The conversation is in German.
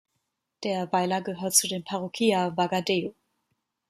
Der Weiler gehört zu dem Parroquia Vegadeo.